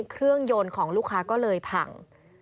เครื่องยนต์ของลูกค้าก็เลยพัง